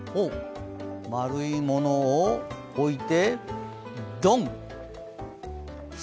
丸いものを置いてどん！